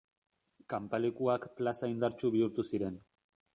Kanpalekuak plaza indartsu bihurtu ziren.